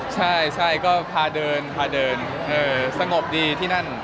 ใช่พาเดินประสงค์ดีที่นั่น